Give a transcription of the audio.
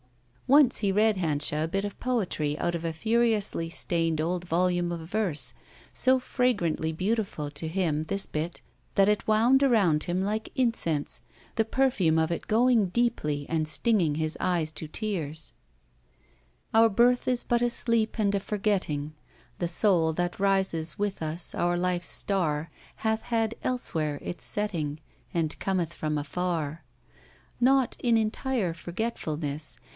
Once he read Hanscha a bit of poetry out of a furiously stained old volume of verse, so fragrantly beautiful, to him, this bit, that it wound around him like incense, the perfume of it going deeply and stinging his eyes to tears: Our birth is but a sleep and a forgettingl The soul that rises with us, our life's star, Hath had elsewhere its setting. And oometh from afar. Not in entire f orgetfulness.